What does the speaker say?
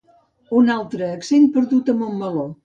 Un altre accent perdut a Montmeló